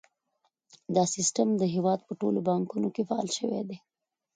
دا سیستم د هیواد په ټولو بانکونو کې فعال شوی دی۔